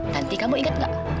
tanti kamu ingat gak